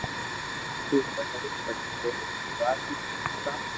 تو اووي ايڪ ڀجن ڀيرو ايڪ وات ني مونتا